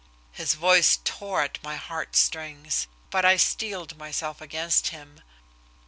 His voice tore at my heart strings, but I steeled myself against him.